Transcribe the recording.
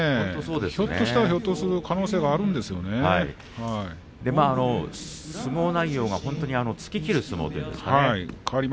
ひょっとしたらひょっとする可能性がまあ、相撲内容が突ききる相撲ですからね。